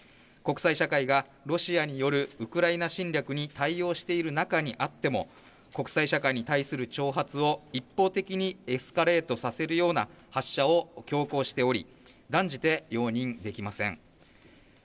国際社会がロシアによるウクライナ侵略に対応している中にあっても国際社会に対する挑発を一方的にエスカレートさせるような発射を強行しており断じて容認できません。